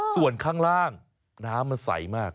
ส่วนข้างล่างน้ำมันใสมาก